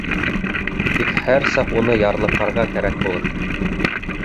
Тик һәр саҡ уны ярлыҡарға кәрәк булыр.